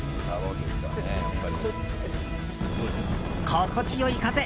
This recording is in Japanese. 心地よい風。